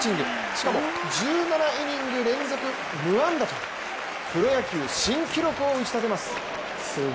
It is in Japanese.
しかも１７イニング連続無安打と、プロ野球新記録を打ち立てます。